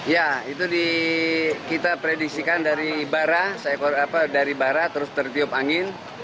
ya itu kita prediksikan dari bara terus tertiup angin